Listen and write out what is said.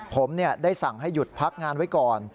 ผมได้สั่งให้หยุดพักงานไว้ก่อน